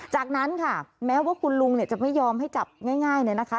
จากนั้นค่ะแม้ว่าคุณลุงจะไม่ยอมให้จับง่ายเนี่ยนะคะ